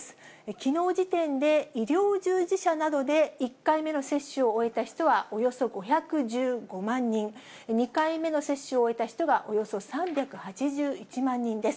きのう時点で医療従事者などで１回目の接種を終えた人はおよそ５１５万人、２回目の接種を終えた人が、およそ３８１万人です。